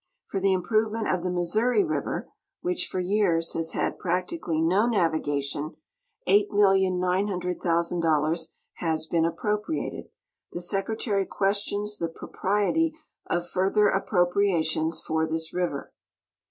For the improvement of the IMissouri river, which for years has had practi cally no navigation, 88,900,000 has been appropriated. The Secretary questions the propriety of further appropriations for this river.